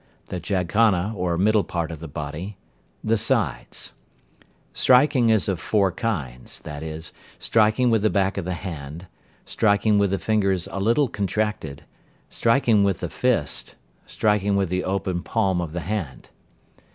The jaghana, or middle part of the body. The sides. Striking is of four kinds, viz.: Striking with the back of the hand. Striking with the fingers a little contracted. Striking with the fist. Striking with the open palm of the hand.